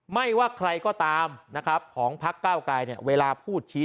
ไม่ว่าใครก็ตามนะครับของพักเก้าไกรเนี่ยเวลาพูดชี้